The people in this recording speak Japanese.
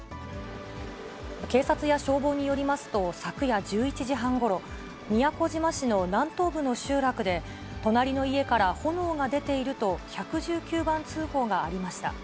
警察や消防によりますと、昨夜１１時半ごろ、宮古島市の南東部の集落で、隣の家から炎が出ていると１１９番通報がありました。